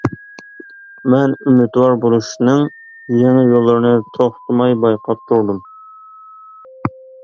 مەن ئۈمىدۋار بولۇشنىڭ يېڭى يوللىرىنى توختىماي بايقاپ تۇردۇم.